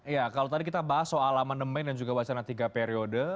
ya kalau tadi kita bahas soal amandemen dan juga wacana tiga periode